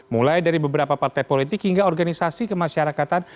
mulai dari beberapa partai politik hingga organisasi kemasyarakatan